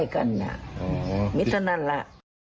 อยู่ที่บ้านสั้นนั่นล่ะ